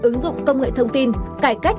ứng dụng công nghệ thông tin cải cách